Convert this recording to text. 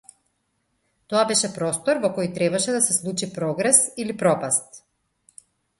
Тоа беше простор во кој требаше да се случи прогрес или пропаст.